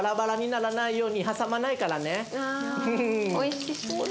おいしそうだな。